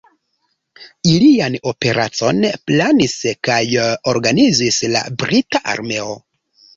Ilian operacon planis kaj organizis la brita armeo.